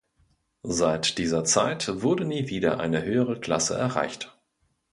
Seit dieser Zeit wurde nie wieder eine höhere Klasse erreicht.